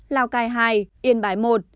lào cai hai yên bái một